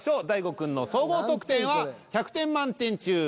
大悟くんの総合得点は１００点満点中。